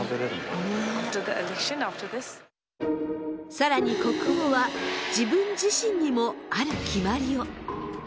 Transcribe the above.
更に国王は自分自身にもある決まりを。